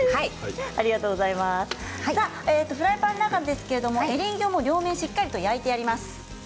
フライパンの中ですけれどもエリンギは両面しっかり焼いてあります。